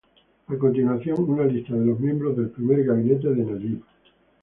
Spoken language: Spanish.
A continuación, una lista de los miembros del primer gabinete de Najib.